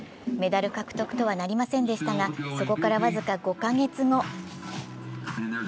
メダル獲得とはなりませんでしたが、そこから僅か５カ月後。